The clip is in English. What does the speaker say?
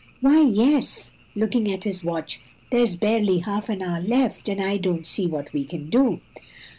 "Why, yes," looking at his watch, "there's barely half an hour left, and I don't see what we can do."